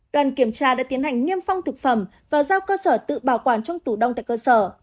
đoàn kiểm tra đã tiến hành niêm phong thực phẩm và giao cơ sở tự bảo quản trong tủ đông tại cơ sở